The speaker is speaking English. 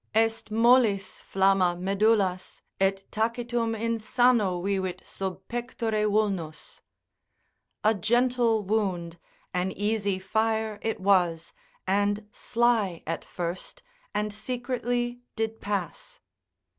———Est mollis flamma medullas, Et tacitum insano vivit sub pectore vulnus. A gentle wound, an easy fire it was, And sly at first, and secretly did pass.